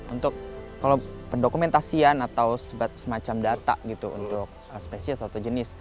untuk kalau pendokumentasian atau semacam data gitu untuk spesies atau jenis